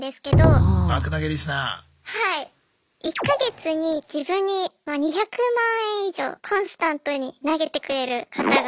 １か月に自分に２００万円以上コンスタントに投げてくれる方が。